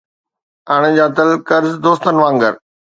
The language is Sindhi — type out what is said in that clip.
اڻڄاتل قرض دوستن وانگر